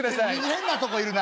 「変なとこいるな。